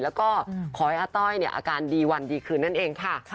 แล้วก็ขอให้อาต้อยอาการดีวันดีคืนนั่นเองค่ะ